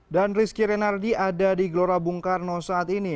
rizky renardi ada di gelora bung karno saat ini